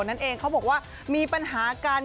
นั่นเองเขาบอกว่ามีปัญหากัน